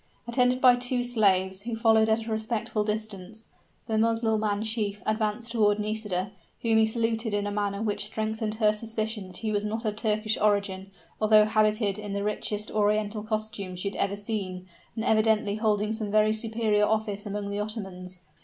Attended by two slaves, who followed at a respectful distance, the Mussulman chief advanced toward Nisida, whom he saluted in a manner which strengthened her suspicion that he was not of Turkish origin, although habited in the richest Oriental costume she had ever seen, and evidently holding some very superior office among the Ottomans.